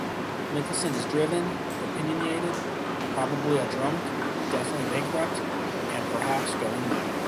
Mickelsson is driven, opinionated, probably a drunk, definitely bankrupt, and perhaps going mad.